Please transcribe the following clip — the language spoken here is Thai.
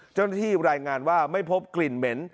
เจ้าหน้าที่รายงานว่าไม่พบกลิ่นเหม็น